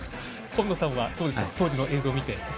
今野さんは当時の映像を見て？